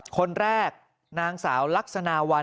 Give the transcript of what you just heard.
คนแรกนางสาวลักษณะวัน